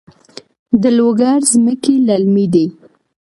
د لوګر ځمکې للمي دي